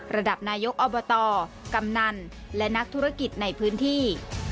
ระดับนายกอบตกำนันและนักธุรกิจในพื้นที่